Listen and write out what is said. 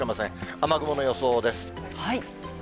雨雲の予想です。